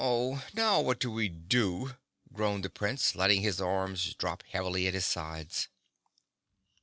"Now what shall we do?" groaned the Prince, letting his arms drop heavily at his sides.